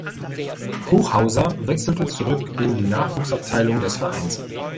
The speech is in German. Hochhauser wechselte zurück in die Nachwuchsabteilung des Vereins.